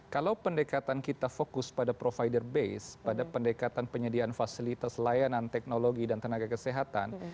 kalau pendekatan kita fokus pada provider base pada pendekatan penyediaan fasilitas layanan teknologi dan tenaga kesehatan